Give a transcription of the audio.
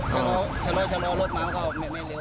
ชะลอยรถมาก็ไม่เร็วแหละครับ